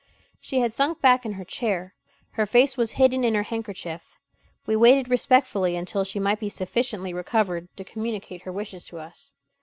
She had sunk back in her chair; her face was hidden in her handkerchief. We waited respectfully until she might be sufficiently recovered to communicate her wishes to us.